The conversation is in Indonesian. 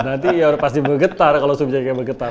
nanti pasti bergetar kalau subjeknya bergetar